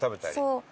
そう。